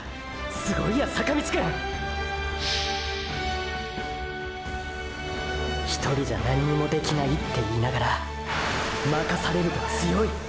すごいや坂道くん１人じゃ何にもできないって言いながらまかされると強い！！